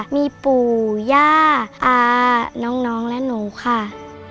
มีปู่ย่าตาน้องและหนูค่ะ